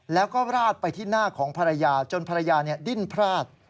แล้วก็ราดไปที่หน้าของภรรยาจนภรรยาดิ้นพลาด